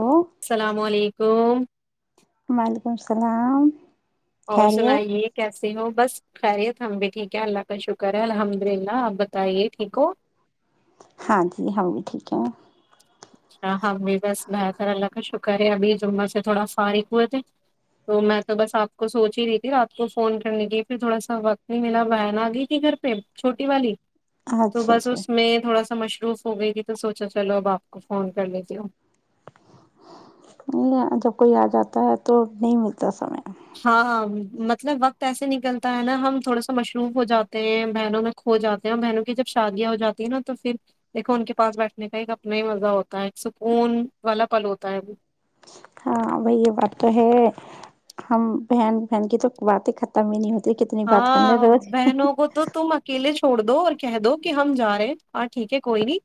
ہ السلام علیکم وعلیکم السلام اور خیریت سنائیے کیسے ہو بس خیریت ہم بھی ٹھیک ہے اللہ کا شکر ہے الحمد للہ آپ بتائیے ٹھیک ہو ہاں جی ہم بھی ٹھیک ہے اچھا ہم بھی بس بہتر اللہ کا شکر ہے ابھی جمعہ سے تھوڑا فارق ہوئے تھے تو میں تو بس آپ کو سوچ ہی رہی تھی رات کو فون کرنے کی پھر تھوڑا سا وقت نہیں ملا بن آ گئی تھی گھر پہ چھوٹی والی تو اچھا بس اچھا اس میں تھوڑا سا مش پروف ہوگئے گ تو سوچا چلو بپ فون کر لیتی ہو یہ جب کوئی آ جاتا ہے تو نہیں ملتا سمے ہاں مطلب وقت ایسے نکلتا ہے نا ہم تھوڑے سا مشروف ہو جاتے ہیں بہنوں میں کھو جاتے ہیں اور بہنوں کی جب شادیاں ہو جاتی ہیں نا تو پھر دیکھو ان کے پاس بیٹھنے کا ایک اپنا ہی مزہ ہوتا ہے ایک سکون والا پل ہوتا ہے ہاں بھائی یہ بات تو ہے ہم بہن بہن کی تو باتیں ختم ہی نہیں ہوتی کتنی بات کر لیں ہاں روز بہنوں کو تو تم اکیلے چھوڑ دو اور کہہ دو کہ ہم جا رہے ہیں ہاں ٹھیک ہے کوئی نہیں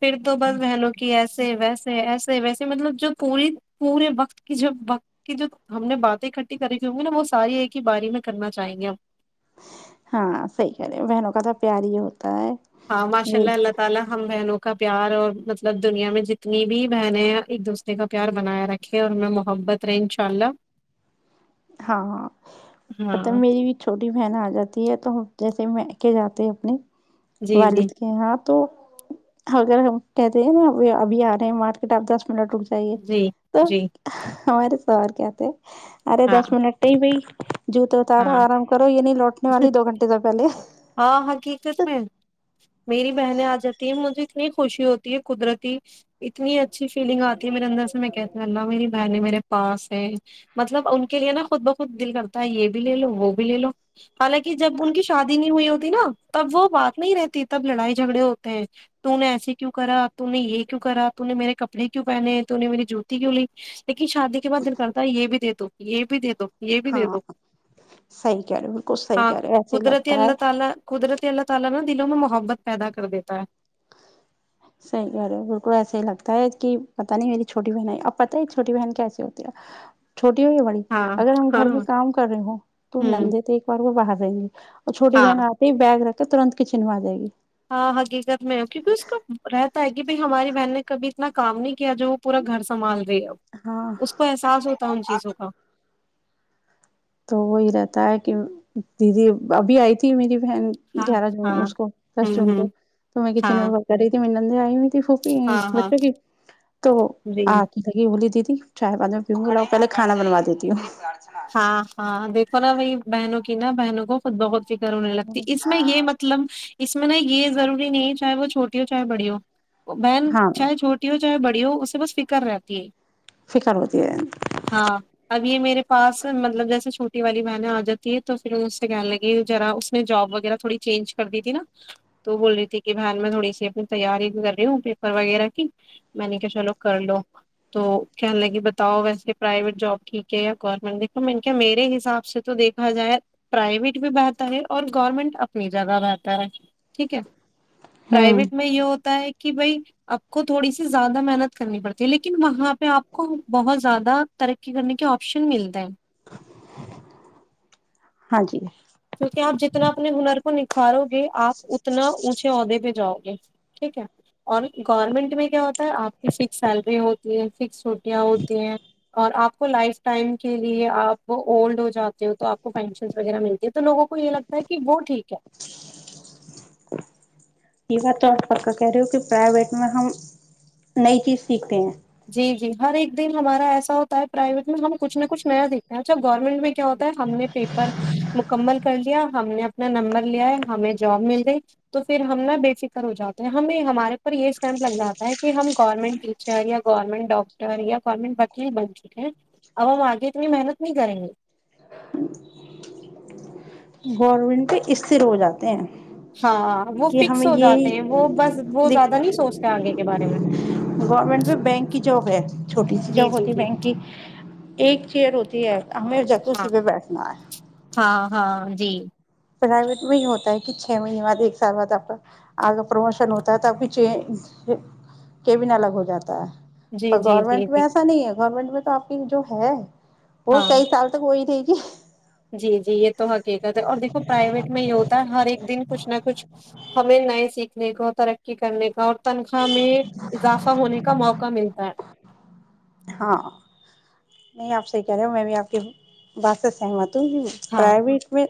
پھر تو بس بہنوں کی ایسے ویس ایسے ویسے مطلب جو پوری پورے وقت کی جو وقت کی جو ہم نے باتیں اکٹھی کری کی ہوں گی نا وہ ساری ایک ہی باری میں کرنا چاہیں گے ہم ہاں صحی کرہ رہے بہنوں کا تو پیار ہی ہوتا ہے ہاں ماشاء میری اللہ اللہ تعالی ہم بہنوں کا پیار اور مطلب دنیا میں جتنی بھی بہنیں ہیں ایک دوسرے کا پیار بنایا رکھے اور ہمیں محبت رہے ان شاء اللہ ہاں پت ہاں میری بھی چھوٹی بہن آ جاتی ہے تو جیسے میں کہ جاتے اپنی جی جی والد کے ہیں آپ تو اگر ہم کہتے ہیں نا ابھی آ رہے ہیں مارکیٹ آپ لٹوک چاہیے جی تو جی ہمارے سر کیا تھے ارے ہاں دس منٹ ہی بھائی جوتے اتارو ہاں آرام کرو یہ نہیں لوٹنے والی دو گھنٹے تو پہلے ہاں حقیقت میں میری بہنیں آ جاتی ہیں مجھے ت خوشی ہوتی ہے قدرتی اتنی ا اچھی فیلگ آ ہے مےدر سے میں کہ ہ اللہ میری بہ نے میرے پاس ہے مطلب ان کے لیے نا خود بخود دل کرتا ہے یہ بھی لے لو وہ بھی لے لو حالانکہ جب ان کی شادی ہوئی ہوتی نا تب وہ بات نہیں رہتی تب لڑائی جھگڑے ہوتے ہیں تو نے ایسے کیوں کرا ت نے یہ کیوں کرا ت نے میرے کپڑے کی پہنے ت نے میری جوتی کیوں لی لیکن شادی کے بع دل کرتا ہے یہ بھی دی تو یہ بھی دے دو یہ بھی دے ہاں دو صحی کہہ رہے بالکل سحی کہہ رہے ایسے ہی لگ ال تالا قدرتی ال تال دلوں میں محبت پیدا کر دیتا ہے صحیح کہ رہ ہے بالک کو ایسے ہی لگتا ہے کہ پتاہ نہیں میری چھوٹی بہن ہے اب پت ہے چھوٹی بہن کیسی ہوتی ہے چھوٹی ہو یا بڑی ہاں اگر ہم ہاں گھر میں کام کر رہے ہو تو ہوں نندے تو ایک بار وہ باہر جی اور چھوٹی ہاں بہن آتے ہی بیگ رکھ تو ترنت ک چنھا جائے گی ہاں حقی کر میں ہو کی ک اس کا ر [inaudible] [unintelligible] گی بائی ہماری بہن نے کبھی اتنا کام نہیں کیا جو وہ پورا گھر سنبال ہاں اس کو احساس ہوتا ہے ان چیزوں کا تو وہی رہتا ہے کہ دیدی ابھی آئی تھی میری بن ہاں گیارہ جون ہاں اس کو دس ہوں جون ہوں کو تو میں کچن میں ہاں ور کر رہی تھی م نے [inaudible] پھوپی ہاں ہاں بچوں کی تو جی آ کی لگی بولی د تی چائےے پ میں بھیڑا ہو پہل کھانا بنو دیتی ہوں ہاں ہاں دیکھو نا بائی بہنوں کی نہا بہنوں کو خود بہت فکر ہونے لگتی اس میں یہ مطلب اس اس میں ن یہ ضروری نہیں چاہے وہ چھوٹی ہو چاہے بڑی ہو بہن ہاں چاہے چھوٹی ہو چاہے بڑی اس سے بس فکر رہتی ہے فکار ہوتی ہے ہاں اب یہ میرے پاس مطلب جیسے چھوٹی والی بہنیں آ جاتی ہے تو پھر اس سے کہنے لگی ذرا اس نے جاب وغیرہ تھوڑی چینج کر دی تھی نا تو وہ بول رہی تھی کہ بہن میں تھوڑی سی اپنی تیاری کر رہی ہوں پیپر وغیرہ کی میں نے کیا چلو کر لو تو کہنے لگی بتاؤ ویسے پرائیویٹ جاب ٹھیک ہے گورنمنٹ دیکھو میں میرے حساب سے تو دیکھا جائے پرائیویٹ بھی بہتر ہے اور گورنمنٹ اپنی جگہ بہتر ہے ٹھیک ہے ہوں پرائیویٹ میں یہ ہوتا ہے کہ کہ بھائی آپ کو تھوڑی سی زیادہ محنت کرنی پڑتی ہے لیکن وہاں پہ آپ کو بہت زیادہ ترقی کرنے کے آپشن ملتا ہے ہاں جی کی کہ آپ جتنا اپنے ہنر کو نک [unintelligible] کہ آپ اتنا اونچے عہدے پہ جاؤ گے ٹھیک ہے اور گورنمنٹ میں کیا ہوتا آپ کی سک سیلری ہوتی ہے فکس ہو یہ ہوتی ہے اور آپ کو لائف ٹائم کے لیے آپ اولڈ ہو جاتے ہو تو آپ کو پینشن وغیرہ ملتے تو لوگوں کو یہ لگتا ہے کہ وہ ٹھیک ہے یہ بات تو پ کا کہہ رہی ہو کہ پرائیویٹ میں ہم نئی چیز سیکھتے ہیں جی جی ہر ایک دن ہمارا ایسا ہوتا ہے پرائیویٹ میں ہم کچھ نہ کچھ نیا سیکھتے ہیں اچھا گورنمنٹ میں کیا ہوتا ہے ہم نے پیپر مکمل کر لیا ہم نے اپنا نمبر لیا ہے ہمیں جاب مل جائے تو پھر ہم نا بے فکر ہو جاتے ہیں ہمیں ہمارے اوپر یہ اسٹینپ لگ جاتا ہے کہ ہم گورنمنٹ ٹیچر یا گورنمنٹ ڈاکٹر یا گورنمنٹ وکیل بن چکے ہیں اب ہم آگے اتنی محنت نہیں کریں گے گورنمنٹ پ استر ہو جاتے ہیں ہاں وہ کہ فکس ہمیں ہو یہ جاتے ہیں وہ بس وہ دیک زیادہ نہیں سوچتے آگے کے بارے میں گورورنمنٹ میں بینک کی جاب ہے چھوٹی سی جی جاب ہوتی جی جی بینک کی ایک چیئر ہوتی ہے ہ جہ اسی ہاں پہ بیٹھنا ہے ہاں ہاں جی پرائیویٹ میں ہی ہوتا ہے کہ چھ مہینے بعد ایک سال بعد آپ کا آگ پرموشن ہوتا ہے تو اب بھی چ کیبن الگ ہو جاتا ہے جی پر جی جی گورنمنٹ میں جی ایسا نہیں ہے گورنمنٹ میں تو آپ کی جو ہے وہ ہاں کئی سال تک وہئی رہے گی جی جی یہ تو حقیق اور دیکھو پرائویٹ میں یہ ہوتا ہے ہر ایک دن کچھ نہ کچھ ہمیں نئے سیکھنے کو ترقی کرنے کا اور تنخواہ میں اضافہ ہونے کا موقع ملتا ہے ہاں نہیں آپ سےی کہہ رہے ہو میں بھی آپ کی بات سے سہمت ہوں تو ہاں پررویٹ میں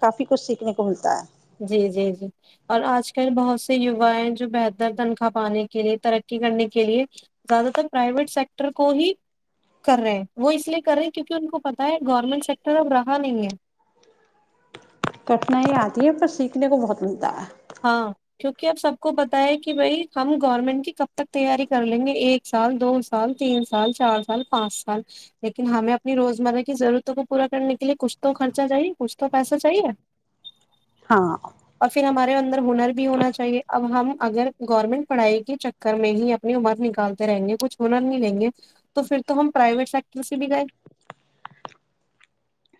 کافی کچھ سیکھنے کو ملتا ہے جی جی جی اور آج کل بہت سے یوا ہیں جو بہتر تنخواہ پانے کے لیے ترقی کرنے کے لیے زیادہ تر پرائیویٹ سیکٹر کو ہی کر رہے ہیں وہ اس لیے کر رہے ہیں کیونکہ ان کو پتہ ہے گورنمنٹ سیکٹر اب رہا نہیں ہے کٹھنائی آتی ہے پر سیکھنے کو بہت ملتا ہے ہاں کیونکہ اب سب کو پت ہے کہ بھائی ہم گورنمنٹ کی کب تک تیاری کر لیں گے ایک سال دو سال تین سال چار سال پانچ سال لیکن ہمیں اپنی روزمرہ کی ضرورتوں کو پورا کرنے کے لیے کچھ تو خرچہ چاہیے کچھ تو پیسہ چاہیے ہاں اور پھر ہمارے اندر ہنر بھی ہونا چاہیے اب ہم اگر گورنمنٹ پڑھائی کے چکر میں ہی اپنی عمر نکالتے رہیں گے کچھ ہنر نہیں لیں گے تو پھر تو ہم پرائیویٹ سیکٹر سے بھی گئے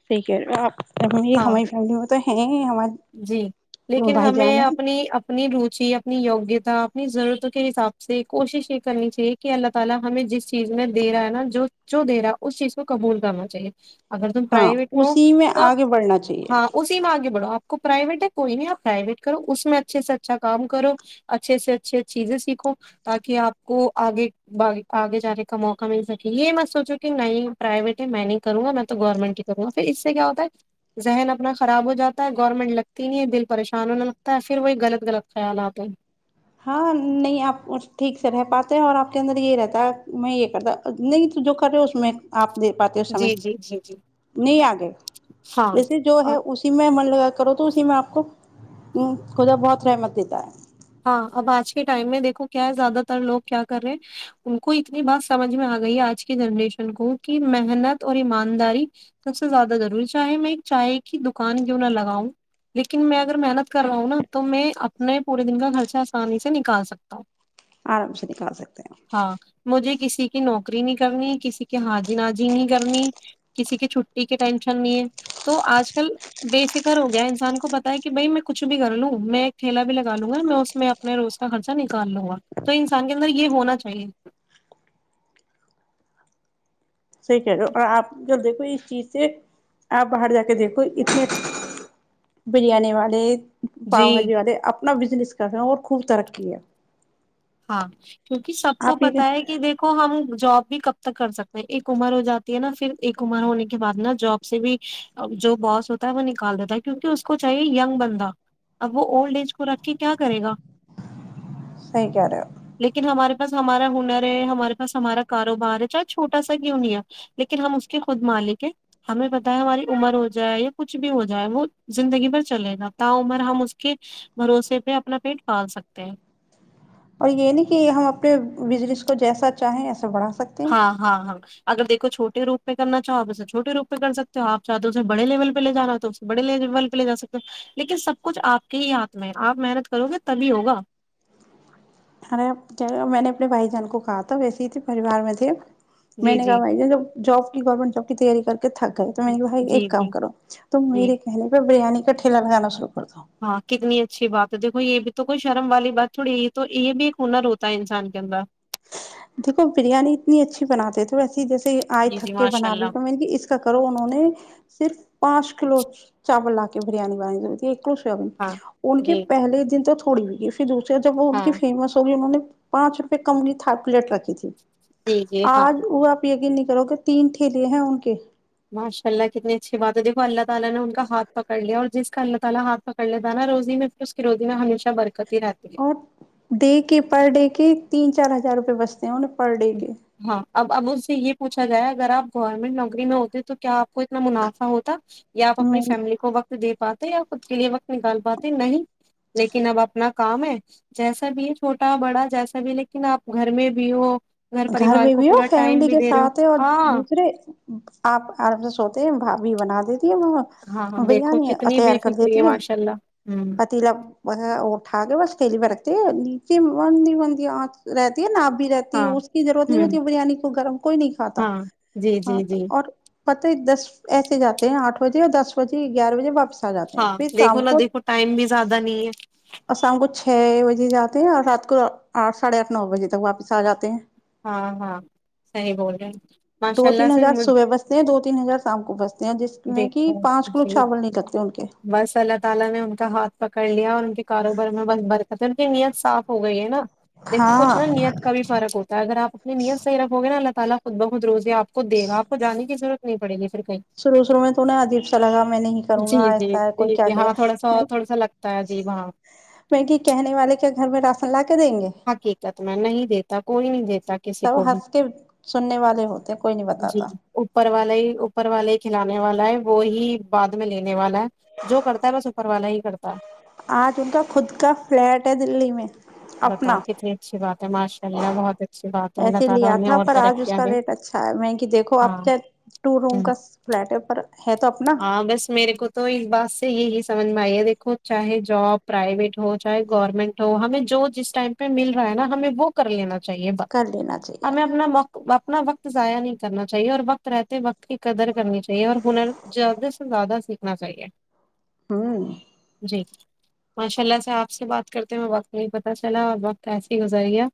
ٹھیک ہے آپ فلی ہاں ہماری فیملی میں تو ہے جی ہمارے بھائی جان ہیں جی اپنی یوگی تھا اپنی ضرورتوں کے حساب سے کوشش یہ کرنی چاہیے کہ اللہ تعالی ہمیں جس چیز میں دے رہا ہے نا جو جو دے رہا ہے اس چیز کو قبول کرنا چاہیے اگر تم ہاں پرائیویٹ ن اسی میں تو آگے بڑھنا چاہیے ہاں اسی میں آگ بڑو آپ کو پرائیویٹ ہے کوئی نہیں آپ پرائیویٹ کرو اس میں اچھے سے اچھا کام کرو اچھے سے اچھے چیزیں سیکھو تاکہ آپ کو آگے آگے جانے کا موقع مل سکے یہ میں سوچوں کہ نہیں پرائیویٹ ہے میں نہیں کروں گا میں تو گورنمنٹ ہی کروں گا پھر اس سے کیا ہوتا ہے ذہن اپنا خراب ہو جاتا ہے گورنمنٹ لگتی نہیں ہے دل پریشان ہونے لگتا ہے پھر وہی غلط غلط خیالاتتے ہیں ہاں نہیں آپ ٹھیک سے رہ پاتے ہیں اور آپ کے اندر یہ رہتا ہے میں یہ کرتا نہیں جو کر رہے اس میں آپ د پاتے ہو سمے جی جی جی جی نہیں آ گئے ویسے جو ہاں ہے اسی میں من لگا کرو تو اسی میں آپ کو ہ خدا بہت رحمت دیتا ہے ہاں اب آج کے ٹائم میں دیکھو کیا ہے زیادہ تر لوگ کیا کر رہے ہیں ان کو اتنی بات سمجھ میں آ گئی آج کی جنریشن کو کہ محنت اور ایمانداری سب سے زیادہ ضروری چاہے میں ایک چائے کی دکان کیوں نہ لگاؤں لیکن میں اگر محنت کر رہاؤں نا تو میں اپنےور نے دن کا خرچہ آسانی سے نکال سکتا ہوں آرام سے نکال سکتے ہیں کہ نوکری نہیں کرنی کسی کے حاجی ناجی نہیں کرنی کسی کی چھٹی کی ٹینشن نہیں ہے تو آج کل بے فکر ہو گیا انسان کو پتا ہے کہ بائی میں کچھ بھی کر لوں میں ایک ٹھیلا بھی لگ الوں گا میں اس میں اپنے روز کا خرچہ نکال لوں گا تو انسان کے اندر یہ ہونا چاہیے صحیح کہہ رہو اور آپ جب دیکھو اس چیز سے آپ باہر جا کے دیکھو اتنے بریانی والے جی پاؤ باجی والے اپنا بزنس کر رہے اور خوب ترقی ہے ہاں کیونکہ سب کو آپ یہ پتا ہے کہ دیکھو ہم جاب بھی کب تک کر سکتے ہیں ایک عمر ہو جاتی ہے نا پھر ایک عمر ہونے کے بعد نا جاب سے بھی جو باس ہوتا ہے وہ نکال دیتا ہے کیونک اس کو چاہیے یگ بندہ اب وہ اولڈ ایج کو رکھ کے کیا کرے گا سح کا رہ لیکن ہمارے پاس ہمارا ہنر ہے ہمارے پاس ہمارا کاروبار ہے چاہے چھوٹا سا کیوں نہیںیا لیکن ہم اس کے خود مالک ہے ہمیں پت ہے ہماری عمر ہو جائے یا کچھ بھی ہو جائے وہ زندگی بھر چلے نا تا عمر ہم اس کے بھروسے پہ اپنا پیٹ پال سکتے ہیں اور یہ نہیں کہ ہم اپنے بزنس کو جیسا چاہیں ایسا بڑھا سکتے ہیں ہاں ہاں ہاں اگر دیکو چھوٹے روپہ کر چاہو تو اسے چھوٹے روپ پہ کر سکتے ہو آپ چاہتے ہو اسے بڑے لیول پہ لے جانا ہو تو اسے بڑے لیول پہ لے ج سکتے ہو لیکن سب کچھ آپ کے ہی ہاتھ میں ہے آپ محنت کرو گے تبھی ہوگا ارے میں نے اپنے بھائی جان کو کہا تھا ویسے ہی تھے پریوار میں تھے میں جی نے کہا جی بھائی ج جوب جب کی گورنمنٹ جاب کییاری کر تھک گئے تو م بھائی جی ایک کام جی کرو تو جی میرے کہنے پ بریانی کٹل میں گانالو ہاں کتنی اچھی بات تو دیکو یہ بھی تو کوئی شرم والی بات تھوڑی یہ تو یہ بھی ایک ہنر ہوتا ہے انسان کے اندر دیکھو بریانی اتنی اچھی بناتے تھے ویسے جیسے آئے جی جی تھک کے ماشاء بنا لی اللہ تو میں نے اس کا کرو انہوں نے صرف پانچ کلو چاول لا کے بریانی بنانی چتی سب ہاں ان کے جی پہلے دن تک تھوڑی ہوی دوسرے جب وہ ان ہاں کی فیمس ہوگی انہوں نے پانچ روپئے کمی تھ پلیٹ رکھی تھی جی جی ہاں آج وہ آپ ا کی نک کرو کہ تین ٹھیلے ہیں ان کے ماشاءاللہ کتنی اچھی بات ہے دیکھو اللہ تعالی نے ان کا ہاتھ پکڑ لیا اور جس کا اللہ تعالی ہاتھ پکڑ لیتا نا روزی میں اس کی روزی میں ہمیشہ برکت ہی رہتی ہے اور ڈے کے پر ڈے کے تین چ چار ہزار روپ بستے ہیں انیں پر ڈے کے ہاں اب اب ان سے یہ پوچھا گائے اگر آپ گورنمنٹ نوکری میں ہوتے تو کیا آپ کو اتنا منافع ہوتا یا آ اپنی میں فیملی کو وقت د پاتے یا خود کے لیے وقت نکال پاتے نہیں لیکن اب اپنا کام ہے جیسا بھی ہے چھوٹا بڑا جیسا بھی لیکن آپ گھر میں بھی ہو گھر پریوار میں کو بھی ہو پورا ٹائم فیملی بھی کے دے رہے ہو ساتھ ہے اور ہاں دوسرے آپ آرام سے سوتے ہیں بھاب بھی بنا دیتے وہ ہاں دیکھو بریانی کتنی تیار بے کر فکری دیتی ہے ماشاء اللہ ہ پتیلا اٹھا کے بس تیلی میں رکھتی ہے جی مندی وندی آ رہتی ہے نا آپ بھی رہتی ہاں ہے اس رورت ہ نہیں ہوتی بریانی کو گرم کوئی نہیں کھاتا ہاں جی ہاں جی جی اور پت دس ایسے جاتے ہیں آٹھ بجے یا دس بجے گیارہ بجے واپس آ جاتے ہیں ہاں پھر دیکھو شام نہا کو دیکھو ٹائم بھی زیادہ نہیں ہے اور شام کو چھ بجے جاتے ہیں اور رات کو آٹھ ساڑھے آٹھ نو بجے تک واپس آ جاتے ہیں ہاں ہاں صحیح بول رہے ہیں ماشاء دو اللہ تین سے ہزار صبح بستے ہیں دو تین ہزار شام کو بستے ہیں جس میں کہ دیکھو پانچ کلو جی چاول نکلتے ہیں ان کے بس اللہ تعالی نے ان کا ہاتھ پکڑ لیا اور ان کے کاروبار میں ب برک ان کی نیت صاف ہو گئی ہے نا دیکھو کچھ نا ہاں نیت کا بھی فرق ہوتا اگر آ اپنی نیتحیح رو گے ا اللہ تعی خود بخود روزے ا پ کو دے گا ا کو جانے کی ضورت نہیں پڑ گی پھر کہیں شروع شرو میں تو نا عجیب سا لگا میں نہیں کروں جی گا جی ایسا ہے کوئی جی کیا جی کیا ہاں تھوڑا سا اور تھوڑا سا لگتا ہے جی وہاں میں کی کہنے والے کیا گھر میں راشن لا کے دیں گے کو نہیں جے کسی سب کو بھی ہنس کے سننے والے ہوتے کوئی نہیں جی بتاتا اوپر والے ہی اوپر والے کھلانے والا ہے وہ ہی بعد میں لینے والا ہے جو کرتا ہے بس اوپر والا ہی کرتا آ چوںکا خود کا فلیٹ ہے دلی میں بتاؤ اپنا کتنی اچھی بات ہے ماشاء اللہ بہت اچھی بات ہے اللہ ایسے تعالی لیا انہیں تھا اور پر آج اس ترقیاں کا دیں ریٹ اچھا ہے میں کہ دیکھو ہاں آپ کیا ٹو روم ہوں کا فلیٹ ہے پر ہے تو اپنا ہاں بس میرے کو تو ایک بات سے یہ ہی سمجھ میں آئی ہے دیکھ چاہے جاب پرائیویٹ ہو چاہے گورنمنٹ ہو ہمیں جو جس ٹائم پہ مل رہا ہے نا ہمیں وہ کر لینا چاہے کر لینا چاہیے ہمیں اپنا اپنا وقت ضائع نہیں کرنا چاہیے اور وقت رہتے وقت کی قدر کرنی چاہیے اور ہنر جیاد سے زیادہ سیکھنا چاہیے ہوں جی ماشاء اللہ سے آپ سے بات کرتے ہو وقت نہیں پتہ چلا اور وقت ایسی گزر گیا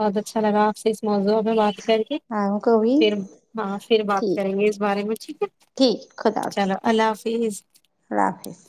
بہت اچھا لگا آپ سے اس موضوع میں بات کر کے آ کو بھی پھر ہاں پھر بات ٹھیک کریں گے اس بارے میں ٹھیک ہے ٹھیک خدا حافظ چلو اللہ حافظ اللہ حافظ